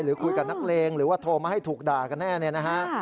คุยกับนักเลงหรือว่าโทรมาให้ถูกด่ากันแน่เนี่ยนะฮะ